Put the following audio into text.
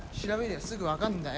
あすぐ分かんだよ。